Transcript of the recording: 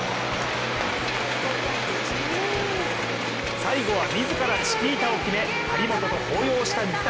最後は自らチキータを決め張本と抱擁した水谷。